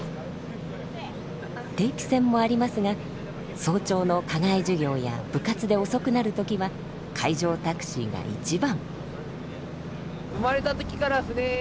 定期船もありますが早朝の課外授業や部活で遅くなる時は海上タクシーが一番。